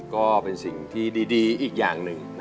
ก็เป็นสิ่งที่ดีอีกอย่างหนึ่ง